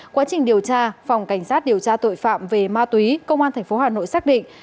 quá trình điều tra phòng cảnh sát điều tra tội phạm về ma túy công an tp hà nội xác định